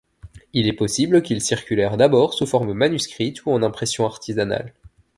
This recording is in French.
Il est possible qu'ils circulèrent d'abord sous forme manuscrite ou en impression artisanale.